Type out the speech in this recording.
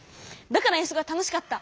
だから遠足は楽しかった！